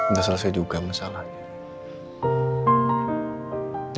udah selesai juga masalahnya